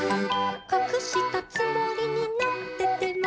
「かくしたつもりになってても」